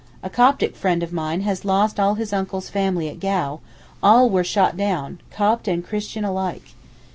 A Coptic friend of mine has lost all his uncle's family at Gau, all were shot down—Copt and Christian alike.